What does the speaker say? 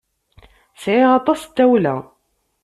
Sɛiɣ aṭas n tawla.